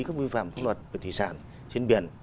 các vi phạm pháp luật về thủy sản trên biển